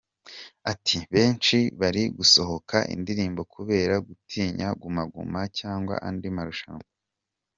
Ati “Benshi bari gusohora indirimbo kubera gutinya Guma Guma cyangwa andi marushanwa.